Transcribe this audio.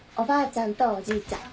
ちゃんとおじいちゃん。